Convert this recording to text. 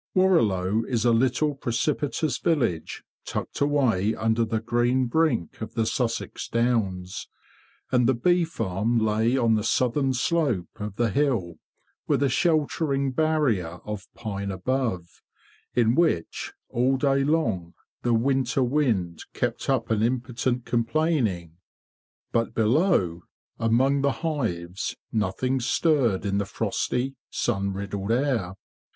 Warrilow is a little precipitous village tucked away under the green brink of the Sussex Downs; and the bee farm lay on the southern slope of the hill, with a sheltering barrier of pine above, in which, all day long, the winter wind kept up an impotent complaining. But below, among the hives, nothing stirred in the frosty, sun riddled air.